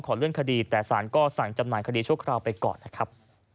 เลื่อนคดีแต่สารก็สั่งจำหน่ายคดีชั่วคราวไปก่อนนะครับ